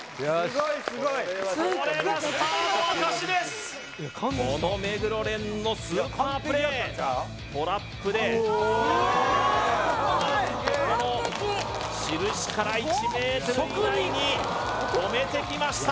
・すごいすごいこれがこの目黒蓮のスーパープレートラップでこの印から１ｍ以内に止めてきました・